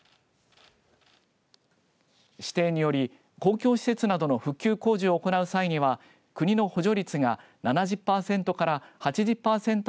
指定により、公共施設などの復旧工事を行う際には国の補助率が７０パーセントから８０パーセント